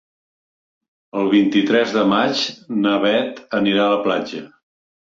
El vint-i-tres de maig na Beth anirà a la platja.